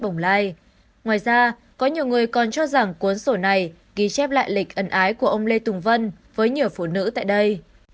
ngoài ra có nhiều người còn cho rằng cuốn sổ này ghi chép lại lịch ẩn ái của ông lê tùng vân với nhiều phụ nữ tại đây